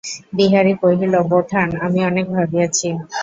বিহারী কহিল, বোঠান, আমি অনেক ভাবিয়াছি।